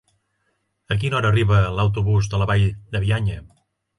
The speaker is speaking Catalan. A quina hora arriba l'autobús de la Vall de Bianya?